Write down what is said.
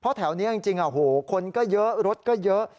เพราะแถวนี้จริงคนก็เยอะรถก็เยอะ